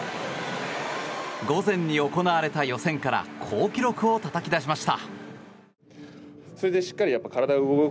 午前に行われた予選から好記録をたたき出しました。